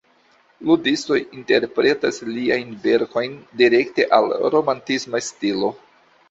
Ludistoj interpretas liajn verkojn direkte al "romantisma stilo".